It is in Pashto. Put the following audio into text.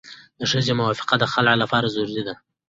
د ښځې موافقه د خلع لپاره ضروري ده.